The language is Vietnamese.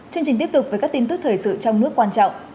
chương trình tiếp tục với các tin tức thời sự trong nước quan trọng